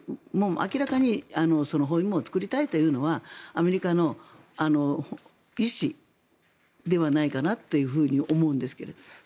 明らかに包囲網を作りたいというのはアメリカの意思ではないかなと思うんですけど。